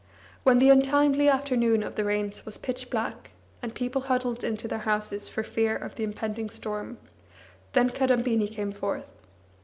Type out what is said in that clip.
When the untimely afternoon of the rains was pitch black, and people huddled into their houses for fear of the impending storm, then Kadambini came forth.